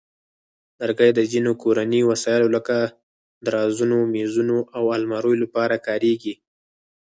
لرګي د ځینو کورني وسایلو لکه درازونو، مېزونو، او المارۍ لپاره کارېږي.